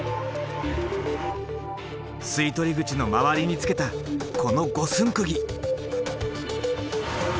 吸い取り口の周りにつけたこの五寸釘。